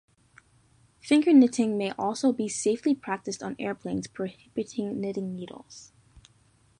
Finger knitting may also be safely practised on airplanes prohibiting knitting needles.